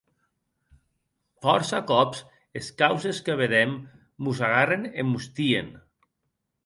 Fòrça còps es causes que vedem mos agarren e mos tien.